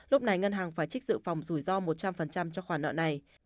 lúc này ngân hàng phải trích dự phòng rủi ro một trăm linh cho khoản nợ này